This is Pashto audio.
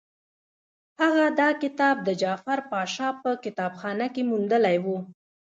هغه دا کتاب د جعفر پاشا په کتابخانه کې موندلی وو.